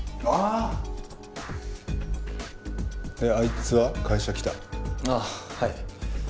ああはい。